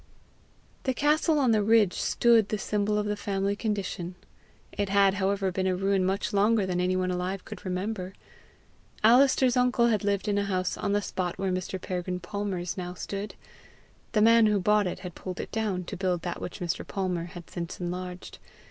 The castle on the ridge stood the symbol of the family condition. It had, however, been a ruin much longer than any one alive could remember. Alister's uncle had lived in a house on the spot where Mr. Peregrine Palmer's now stood; the man who bought it had pulled it down to build that which Mr. Palmer had since enlarged.